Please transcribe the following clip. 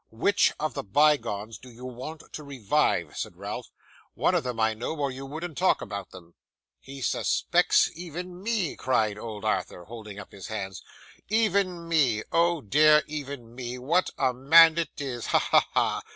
'WHICH of the bygones do you want to revive?' said Ralph. 'One of them, I know, or you wouldn't talk about them.' 'He suspects even me!' cried old Arthur, holding up his hands. 'Even me! Oh dear, even me. What a man it is! Ha, ha, ha!